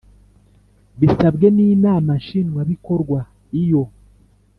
Bisabwe n inama nshinwabikorwa iyo